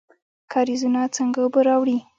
کاریزونه څنګه اوبه راوړي؟